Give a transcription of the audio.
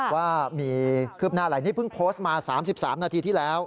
ว่ามีคืบหน้าอะไรนี่เพิ่งโพสต์มา๓๓นาทีที่แล้ว